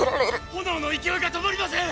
・炎の勢いが止まりません！